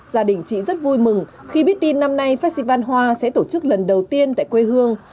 gia đình chị rất vui mừng khi biết tin năm nay festival hoa sẽ tổ chức lần đầu tiên tại quê hương